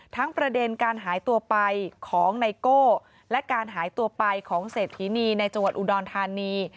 ประเด็นการหายตัวไปของไนโก้และการหายตัวไปของเศรษฐีนีในจังหวัดอุดรธานี